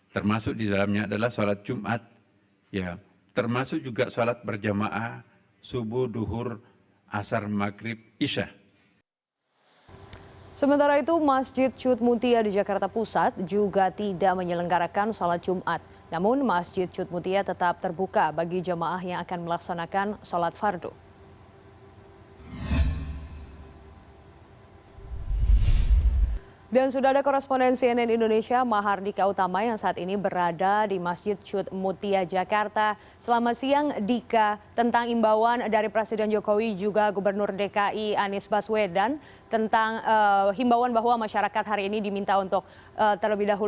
termasuk di dalamnya adalah sholat jumat ya termasuk juga sholat berjamaah subuh duhur asar maghrib isyarat dan jubah